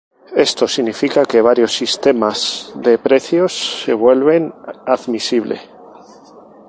Esto significa que varios sistemas de precios se vuelven admisible.